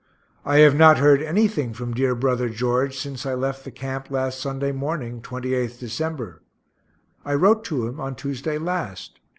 I have not heard anything from dear brother George since I left the camp last Sunday morning, 28th Dec. I wrote to him on Tuesday last.